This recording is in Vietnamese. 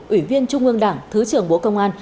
ủy viên trung ương đảng thứ trưởng bộ công an